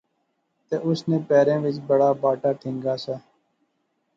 تہ اس نے پیریں وچ بڑا باٹا ٹہنگا سا